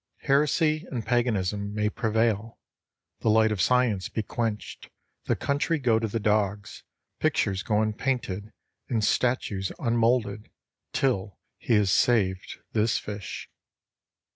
Heresy and paganism may prevail, the light of science be quenched, the country go to the dogs, pictures go unpainted, and statues unmoulded till he has saved this fish.